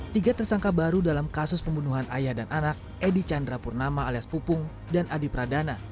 tiga tersangka baru dalam kasus pembunuhan ayah dan anak edi chandrapurnama alias pupung dan adi pradana